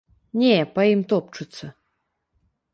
Не, па ім топчуцца.